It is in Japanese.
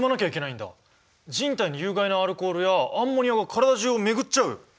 人体に有毒なアルコールやアンモニアが体じゅうを巡っちゃうよ。